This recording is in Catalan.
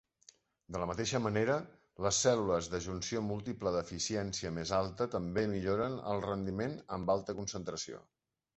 De la mateixa manera, les cèl·lules de junció múltiple d'eficiència més alta també milloren el rendiment amb alta concentració.